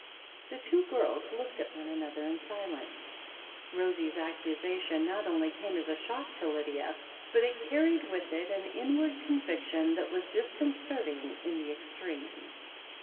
The two girls looked at one another in silence. Rosie's accusation not only came as a shock to Lydia, but it carried with it an inward conviction that was disconcerting in the extreme.